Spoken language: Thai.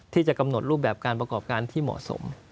ที่จะกำหนดรูปแบบการประกอบการที่เหมาะสม